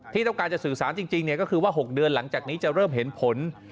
ที่ต้องการจะสื่อสารจริงก็คือว่า๖เดือนหลังจากนี้จะเริ่มเห็นผล